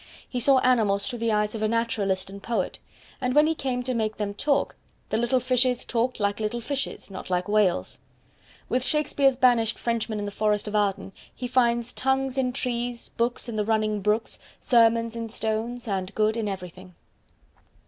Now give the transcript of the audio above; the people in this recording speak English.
He saw animals through the eyes of a naturalist and poet; and when he came to make them talk, the little fishes "talked like little fishes not like whales". With Shakespeare's banished Frenchman in the Forest of Arden, he Finds tongues in trees, books in the running brooks, Sermons in stones, and good in everything.